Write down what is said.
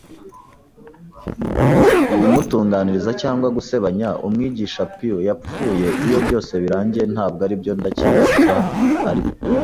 kumutangariza cyangwa gusebanya. Umwigisha Pew yapfuye, iyo byose birangiye; ntabwo aribyo ndabyicuza, ariko